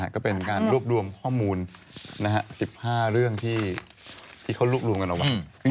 ก็เป็นการรวบรวมข้อมูล๑๕เรื่องที่เขารวบรวมกันเอาไว้